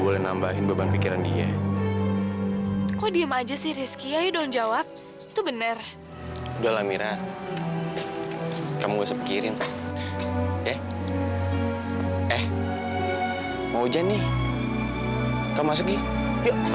sampai jumpa di video selanjutnya